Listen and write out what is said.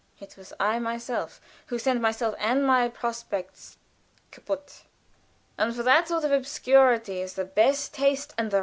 It was I myself who sent myself and my prospects caput;[A] and for that sort of obscurity is the best taste and the right sphere."